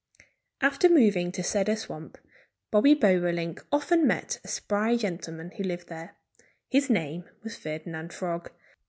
After moving to Cedar Swamp Bobby Bobolink often met a spry gentleman who lived there. His name was Ferdinand Frog.